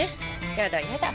やだやだ。